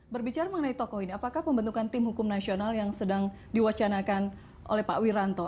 berbicara mengenai tokoh ini apakah pembentukan tim hukum nasional yang sedang diwacanakan oleh pak wiranto